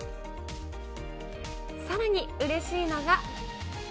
さらにうれしいのが。